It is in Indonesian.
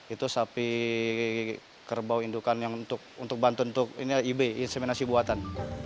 itu sapi kerbau indukan yang untuk bantu untuk ini lib inseminasi buatan